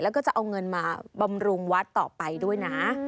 แล้วก็จะเอาเงินมาบำรุงวัดต่อไปด้วยนะ